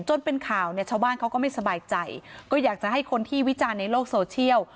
จนเป็นข่าวเนี่ยชาวบ้านเขาก็ไม่สบายใจก็อยากจะให้คนที่วิจารณ์ในโลกโซเชียล